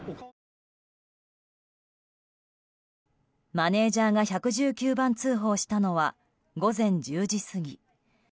マネジャーが１１９番通報したのは午前１０時過ぎ。